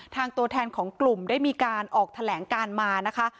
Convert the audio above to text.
ตัวแทนของกลุ่มได้มีการออกแถลงการมานะคะ